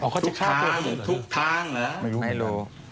อ๋อเขาจะฆ่าตัวหมดหรือไม่รู้